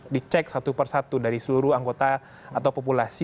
dicek satu per satu dari seluruh anggota atau populasi